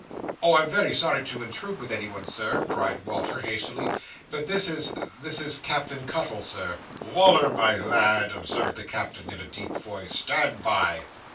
"Oh, I'm very sorry to intrude with anyone, Sir," cried Walter, hastily: "but this is—this is Captain Cuttle, Sir." "Wal"r, my lad," observed the Captain in a deep voice: "stand by!"